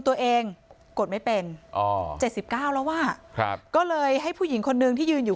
ตัวเองกดไม่เป็นอ๋อ๗๙แล้วอ่ะครับก็เลยให้ผู้หญิงคนนึงที่ยืนอยู่